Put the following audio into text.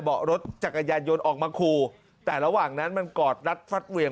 เบาะรถจักรยานยนต์ออกมาคู่แต่ระหว่างนั้นมันกอดรัดฟัดเวียง